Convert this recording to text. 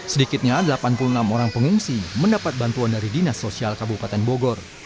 sedikitnya delapan puluh enam orang pengungsi mendapat bantuan dari dinas sosial kabupaten bogor